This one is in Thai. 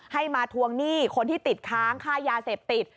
มาทวงหนี้คนที่ติดค้างค่ายาเสพติด